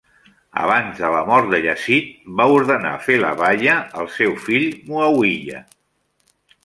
Abans de la mort de Yazid, va ordenar fer la baya al seu fill Muawiya.